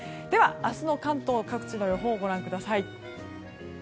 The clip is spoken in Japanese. では、明日の関東各地の予報をご覧ください。